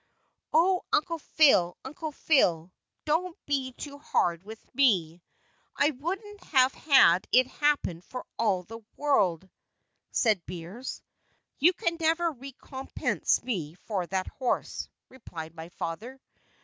"Oh, Uncle Phile, Uncle Phile, don't be too hard with me; I wouldn't have had it happen for all the world," said Beers. "You can never recompense me for that horse," replied my father.